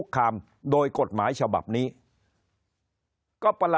คนในวงการสื่อ๓๐องค์กร